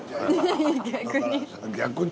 逆に？